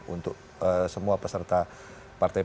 untuk semua peserta